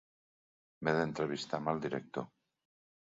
M'he d'entrevistar amb el director.